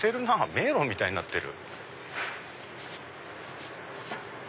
迷路みたいになってる。